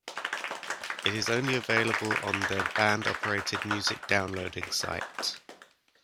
It is only available on their band-operated music downloading website.